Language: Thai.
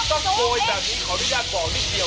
พี่ต้องโกยแบบนี้ขออนุญาณบอกนิดเดียว